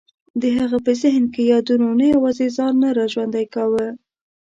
د هغه په ذهن کې یادونو نه یوازې ځان نه را ژوندی کاوه.